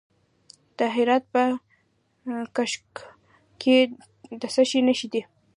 د هرات په کشک کې د څه شي نښې دي؟